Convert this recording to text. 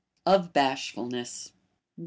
OF BASHFULNESS. 1.